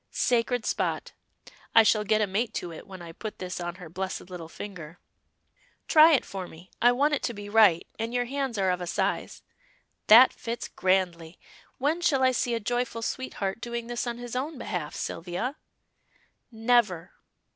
Sacred spot; I shall get a mate to it when I put this on her blessed little finger. Try it for me, I want it to be right, and your hands are of a size. That fits grandly. When shall I see a joyful sweetheart doing this on his own behalf, Sylvia?" "Never!"